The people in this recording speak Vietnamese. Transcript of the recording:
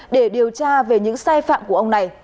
để điều tra về những sai phạm của ông này